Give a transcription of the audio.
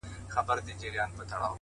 د زړه رڼا مخ روښانوي,